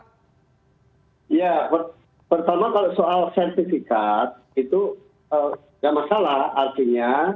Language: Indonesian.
ya pertama soal sertifikat itu gak masalah artinya